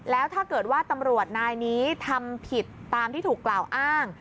แล้วถ้าเกิดว่าตำรวจนายนี้ทำผิดตามที่ถูกกล่าวอ้าง